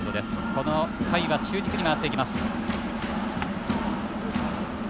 この回は中軸に回っていきます。